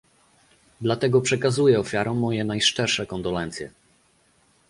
Dlatego przekazuję ofiarom moje najszczersze kondolencje